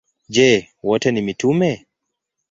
Je, wote ni mitume?